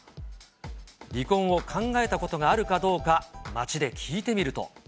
離婚を考えたことがあるかどうか、街で聞いてみると。